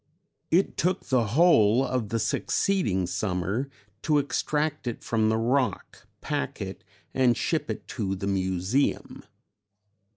It took the whole of the succeeding summer to extract it from the rock, pack it, and ship it to the Museum.